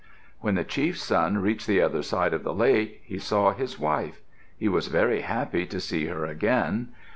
When the chief's son reached the other side of the lake, he saw his wife. He was very happy to see her again.